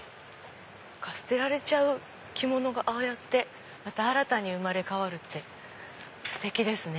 捨てられちゃう着物がああやってまた新たに生まれ変わるってステキですね。